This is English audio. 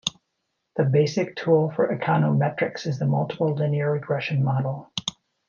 The basic tool for econometrics is the multiple linear regression model.